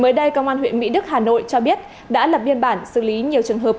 mới đây công an huyện mỹ đức hà nội cho biết đã lập biên bản xử lý nhiều trường hợp